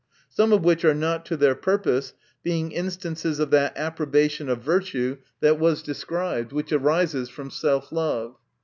Some of which are not to their purpose, being in stances of that approbation of virtue, that was described, which arises from self love.